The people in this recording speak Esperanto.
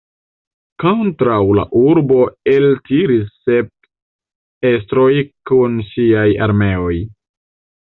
Kontraŭ la urbo eltiris sep estroj kun siaj armeoj.